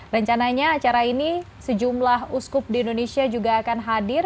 rencananya acara ini sejumlah uskup di indonesia juga akan hadir